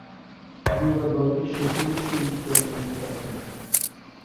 দুইবার দলকে Sheffield Shield জয়ে ভূমিকা রাখেন।